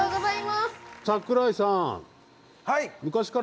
櫻井さん！